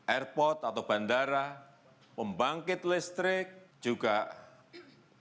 airport atau bandara pembangkit listrik juga diperlukan